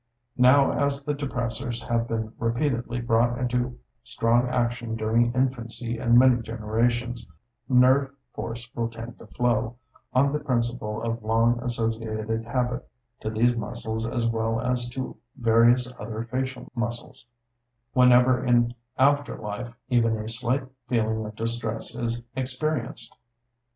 Now as the depressors have been repeatedly brought into strong action during infancy in many generations, nerve force will tend to flow, on the principle of long associated habit, to these muscles as well as to various other facial muscles, whenever in after life even a slight feeling of distress is experienced.